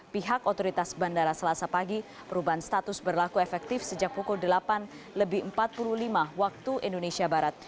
pihak otoritas bandara selasa pagi perubahan status berlaku efektif sejak pukul delapan lebih empat puluh lima waktu indonesia barat